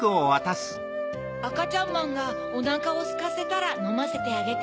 あかちゃんまんがおなかをすかせたらのませてあげて。